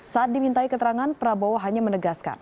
saat dimintai keterangan prabowo hanya menegaskan